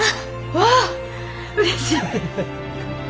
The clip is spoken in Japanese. わあうれしい。